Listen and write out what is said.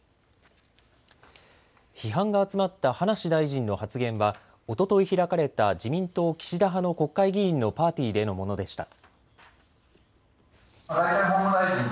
批判が集まった葉梨大臣の発言はおととい開かれた自民党岸田派の国会議員のパーティーでのものでした。